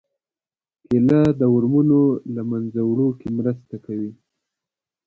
کېله د ورمونو له منځه وړو کې مرسته کوي.